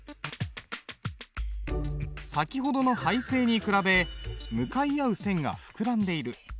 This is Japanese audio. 先ほどの背勢に比べ向かい合う線が膨らんでいる。